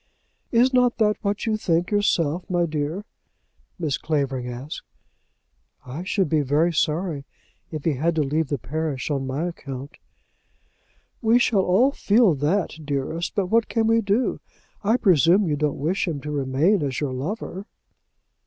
"Is not that what you think yourself, my dear?" Mrs. Clavering asked. "I should be very sorry if he had to leave the parish on my account." "We all shall feel that, dearest; but what can we do? I presume you don't wish him to remain as your lover?"